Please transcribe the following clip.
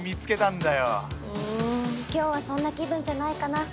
んん今日はそんな気分じゃないかな。